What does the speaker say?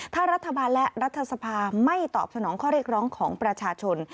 ถ้ารัฐบาลและรัฐสภาไม่ตอบสนองข้อเรียกร้องของประชาชน